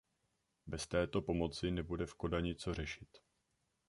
Bez této pomoci nebude v Kodani co řešit.